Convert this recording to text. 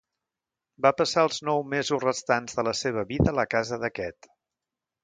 Va passar els nou mesos restants de la seva vida a la casa d'aquest.